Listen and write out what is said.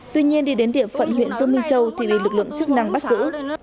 tuy nhiên đi đến địa phận huyện dương minh châu thì bị lực lượng chức năng bắt giữ